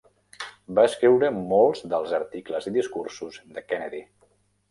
Va escriure molts dels articles i discursos de Kennedy.